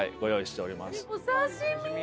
お刺し身！